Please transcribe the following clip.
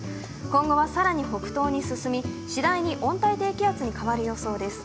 今後は更に北東に進み次第に温帯低気圧に変わる予想です。